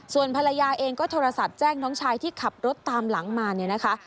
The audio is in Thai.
ส่วนภรรยาเองก็โทรศัพท์แจ้งน้องชายที่ขับรถตามหลังมาเนี่ยนะคะ